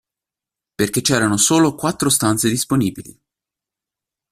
Perché c'erano solo quattro stanze disponibili.